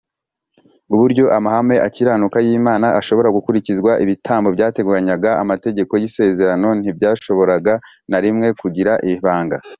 uburyo amahame akiranuka y Imana ashobora gukurikizwa Ibitambo byateganywaga n Amategeko y isezerano ntibyashoboraga na rimwe kugira ibanga